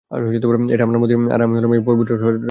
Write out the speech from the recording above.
এটা আপনার মন্দির, আর আমি হলাম এই পবিত্র সর্দারির উত্তরাধিকারী।